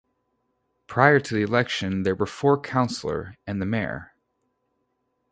Prior to the election there were four councillor and the mayor.